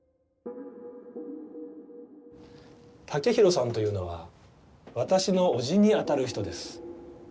タケヒロさんというのは私の叔父にあたる人です。